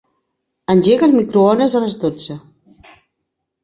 Engega el microones a les dotze.